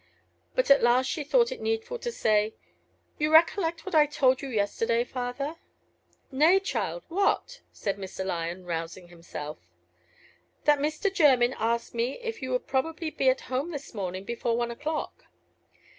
But at last she thought it needful to say, "You recollect what I told you yesterday, father?" "Nay, child; what?" said Mr. Lyon, rousing himself. "That Mr. Jermyn asked me if you would probably be at home this morning before one o'clock."